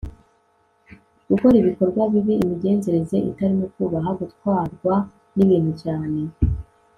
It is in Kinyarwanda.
gukora ibikorwa bibi, imigenzereze itarimo kubaha, gutwarwa n'ibintu cyane